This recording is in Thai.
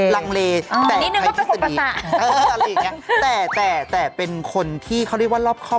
ลังเลแต่ใครที่สดีอะไรอย่างนี้แต่เป็นคนที่เขาเรียกว่ารอบครอบ